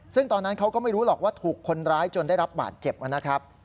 ซึ่งตอนนั้นเขาก็ไม่รู้หรอกว่าถูกคนร้ายจนได้รับบาดเจ็บนะครับ